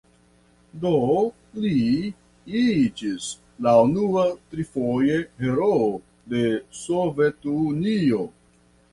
Do li iĝis la unua trifoje heroo de Sovetunio.